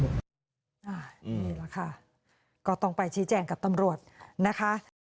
นี่แหละค่ะก็ต้องไปชี้แจงกับตำรวจนะคะ